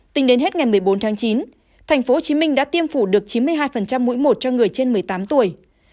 tính đến hết ngày một mươi bốn tháng chín tp hcm đã tiêm phủ được chín mươi hai mũi một cho người trên một mươi tám tuổi